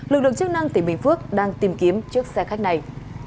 lực lượng chức năng tỉnh bình phước đang tìm kiếm chiếc xe khách này